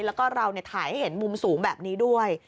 แล้วก็เราถ่ายให้เห็นมุมสูงแบบนี้ด้วย